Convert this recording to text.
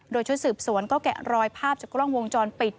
โดยชุดสืบสวนก็แกะรอยภาพจากกล้องวงจรปิด